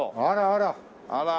あらあら。